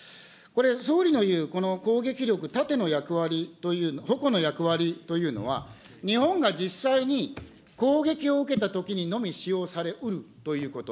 総理の言うこの攻撃力、盾の役割、ほこの役割というのは、日本が実際に攻撃を受けたときにのみ使用されうるということ。